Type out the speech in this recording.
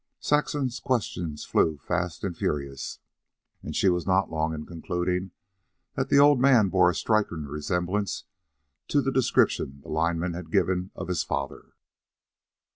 Saxon's questions flew fast and furious, and she was not long in concluding that the old man bore a striking resemblance to the description the lineman had given of his father.